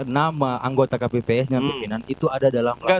nama anggota kppsnya pimpinan itu ada dalam percakapan